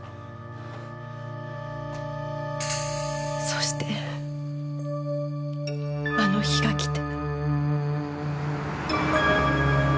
そしてあの日が来て。